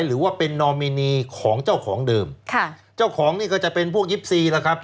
หรือว่าเป็นนอมินีของเจ้าของเดิมค่ะเจ้าของนี่ก็จะเป็นพวกยิปซีแล้วครับ